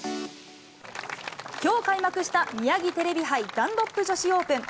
きょう開幕したミヤギテレビ杯ダンロップ女子オープン。